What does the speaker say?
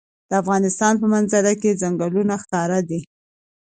د افغانستان په منظره کې ځنګلونه ښکاره ده.